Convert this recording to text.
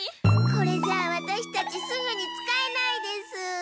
これじゃあワタシたちすぐに使えないです。